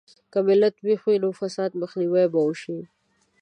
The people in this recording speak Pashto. که ملت ویښ وي، نو د فساد مخنیوی به وشي.